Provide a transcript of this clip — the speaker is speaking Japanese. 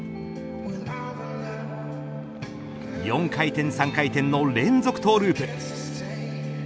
４回転３回転の連続トゥループ。